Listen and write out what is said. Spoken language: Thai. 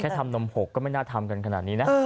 ทำนมหกก็ไม่น่าทำกันขนาดนี้นะ